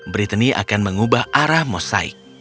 brittany akan mengubah arah mosaik